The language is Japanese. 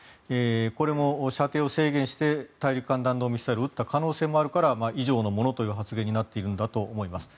これも射程を制限して大陸間弾道ミサイルを撃った可能性もあるから以上のものという発言になっているんだと思います。